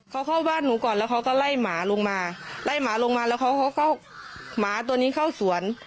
เขาเข้าบ้านหนูก่อนแล้วเขาก็ไล่หมาลงมาไล่หมาลงมาแล้วเขาเข้าหมาตัวนี้เข้าสวน